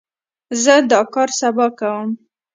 زه دا کار سبا کوم.